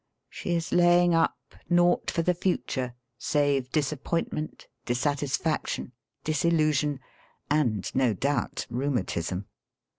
She is laying up naught for the future save disappointment, dissatisfaction, disillusion, and no doubt rheumatism.